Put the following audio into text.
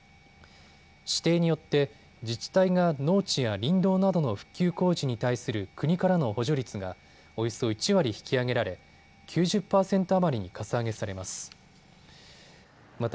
指定によって自治体が農地や林道などの復旧工事に対する国からの補助率がおよそ１割引き上げられ９０％余りにかさ上げされます。